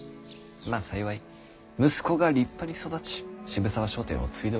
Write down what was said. まあ幸い息子が立派に育ち渋沢商店を継いでおります。